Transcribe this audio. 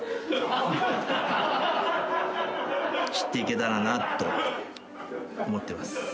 知っていけたらなと思ってます。